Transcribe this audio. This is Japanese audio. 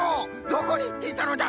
どこにいっていたのだ！？